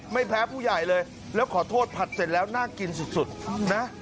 ไม่แพ้ผู้ใหญ่เลยแล้วขอโทษผัดเสร็จแล้วน่ากินสุดนะ